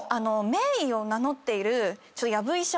名医を名乗っているヤブ医者